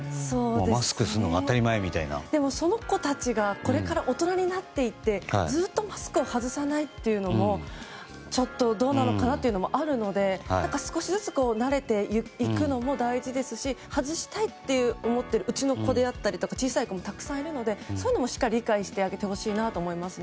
マスクをするのがでも、その子たちがこれから大人になっていってずっとマスクを外さないのもちょっとどうなのかなというのもあるので少しずつ慣れていくのも大事ですし外したいって思ってるうちの子であったり小さい子もたくさんいるのでそういうのもしっかり理解してあげてほしいと思いますね。